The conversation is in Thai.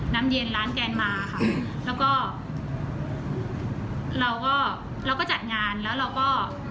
น้ำเย็นร้านแกนมาค่ะแล้วก็เราก็เราก็จัดงานแล้วเราก็